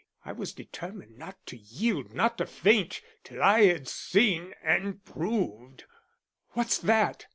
I was determined not to yield, not to faint, till I had seen and proved " "What's that?"